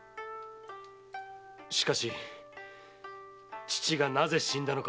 しかし父がなぜ死んだのか